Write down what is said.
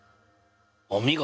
お見事！